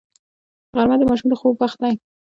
غرمه د ماشومانو د خوب وخت دی